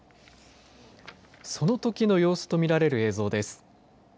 そのときの様子と見られる映像です。